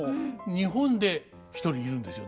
日本で一人いるんですよ